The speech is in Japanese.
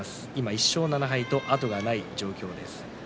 １勝７敗と後がない状況です。